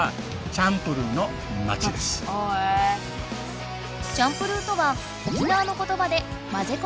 チャンプルーとは沖縄の言葉で「混ぜこぜ」という意味。